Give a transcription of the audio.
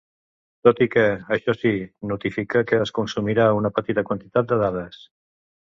Tot i que, això sí, notifica que es consumirà una petita quantitat de dades.